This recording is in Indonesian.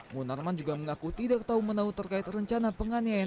munarman juga mengaku tidak tahu menahu terkait rencana penganiayaan